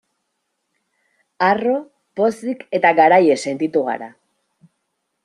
Harro, pozik eta garaile sentitu gara.